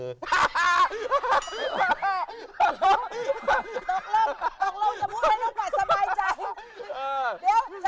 ตกลงจมูกให้น้องปัดสบายใจ